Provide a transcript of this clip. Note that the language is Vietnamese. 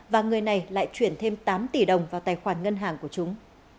và người này lại chuyển thêm tám tỷ đồng vào tài khoản ngân hàng của chúng